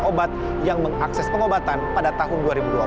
obat yang mengakses pengobatan pada tahun dua ribu dua puluh